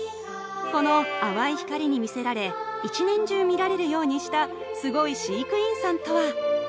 この淡い光に魅せられ一年中見られるようにしたスゴイ飼育員さんとは？